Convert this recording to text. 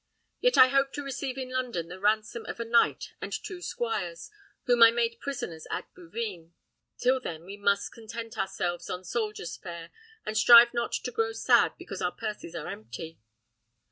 Yet I hope to receive in London the ransom of a knight and two squires, whom I made prisoners at Bouvines. Till then we must content ourselves on soldiers' fare, and strive not to grow sad because our purses are empty."